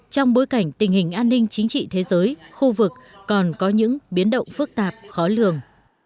trong bối cảnh tình hình an ninh chính trị thế giới khu vực còn có những biến động phức tạp khó lường